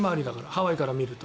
ハワイから見ると。